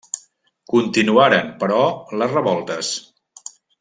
Continuaren, però, les revoltes.